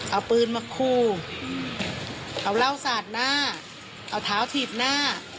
เอาปืนมาคู่เอาเหล้าสาดหน้าเอาเท้าถีบหน้า